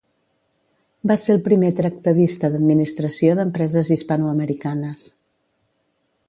Va ser el primer tractadista d'administració d'empreses hispanoamericanes.